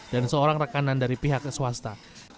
dan seorang rekanan dari pihak swasta